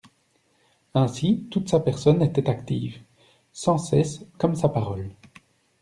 Ainsi toute sa personne était active, sans cesse, comme sa parole.